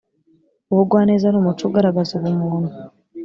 ubugwaneza ni umuco ugaragaza ubumuntu